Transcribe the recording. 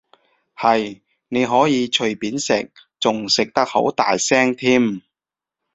係，你可以隨便食，仲食得好大聲添